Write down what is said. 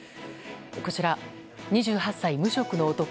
こちら２８歳、無職の男。